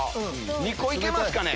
２個いけますかね？